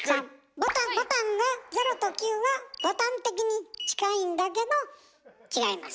ボタンが０と９がボタン的に近いんだけど違います。